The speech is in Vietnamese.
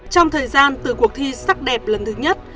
trong thời gian từ cuộc thi sắc đẹp lần thứ nhất